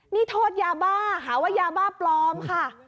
นี่โทษยาบ้าหาว่ายาบ้าปลอมค่ะ